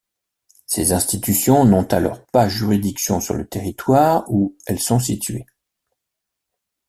Ces institutions n'ont alors pas juridiction sur le territoire où elles sont situées.